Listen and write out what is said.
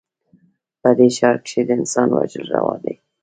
په دې ښـار کښې د انسان وژل روا دي